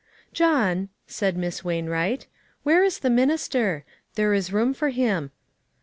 "John," said Miss Wainwright, "where is the minister? There is room for him."